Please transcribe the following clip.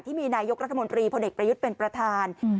ที่มีนายกรัฐมนตรีพลเอกประยุทธ์เป็นประธาน